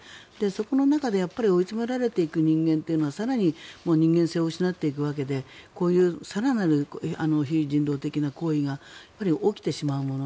そこの中で追い詰められていく人間っていうのは更に人間性を失っていくわけでこういう更なる非人道的な行為がやっぱり起きてしまうもの。